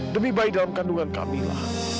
demi bayi dalam kandungan camilla